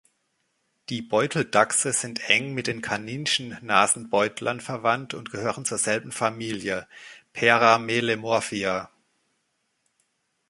Die Beuteldachse sind eng mit den Kaninchennasenbeutlern verwandt und gehören zur selben Familie, Peramelemorphia.